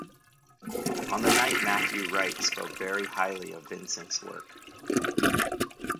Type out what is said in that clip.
On the night Matthew Wright spoke very highly of Vincents work.